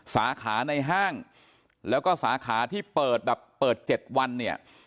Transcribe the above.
สาขาในห้างแล้วก็สาขาที่เปิดแบบเปิด๗วันเนี่ย